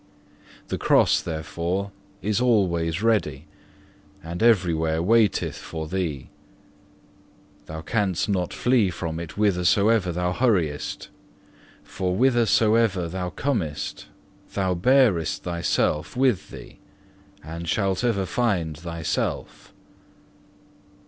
The Cross therefore is always ready, and every where waiteth for thee. Thou canst not flee from it whithersoever thou hurriest, for whithersoever thou comest, thou bearest thyself with thee, and shalt ever find thyself.